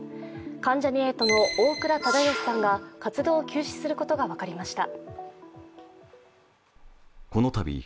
関ジャニ∞の大倉忠義さんが活動を休止することが分かりました。